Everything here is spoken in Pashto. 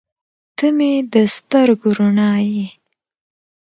• ته مې د سترګو رڼا یې.